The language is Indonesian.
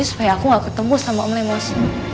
supaya aku gak ketemu sama om lengmos